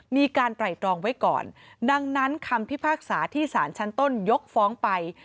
มีการไตรตรองไว้ก่อนดังนั้นคำพิพากษาที่สารชั้นต้นยกฟ้องไป